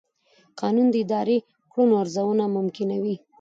قانون د اداري کړنو ارزونه ممکنوي.